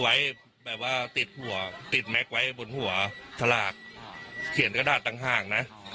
หมายความแบบว่าติดหัวติดแม็กซ์ไว้บนหัวทราคเขียนกระดาษตางห้างนะ